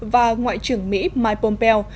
và ngoại trưởng mỹ mike pompeo